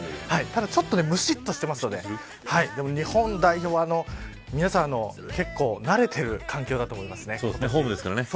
ちょっと、むしっとしていますので日本代表は皆さん慣れている環境だと思います。